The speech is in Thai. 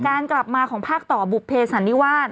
การกลับมาของภาคต่อบุภเพสันนิวาส